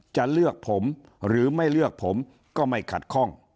จะเลือกผมหรือไม่เลือกผมก็ไม่ขัดข้อง